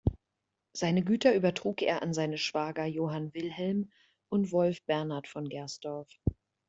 Seine Güter übertrug er an seine Schwager Johann Wilhelm und Wolf Bernhard von Gersdorff.